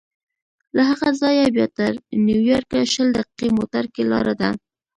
له هغه ځایه بیا تر نیویارکه شل دقیقې موټر کې لاره ده.